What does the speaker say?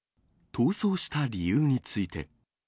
逃走した理由について。